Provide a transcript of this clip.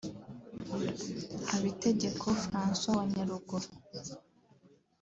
Habitegeko François wa Nyaruguru